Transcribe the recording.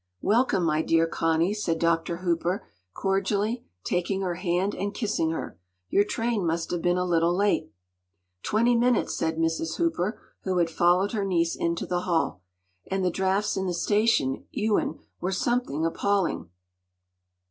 “Welcome, my dear Connie!” said Dr. Hooper, cordially, taking her hand and kissing her. “Your train must have been a little late.” “Twenty minutes!” said Mrs. Hooper, who had followed her niece into the hall. “And the draughts in the station, Ewen, were something appalling.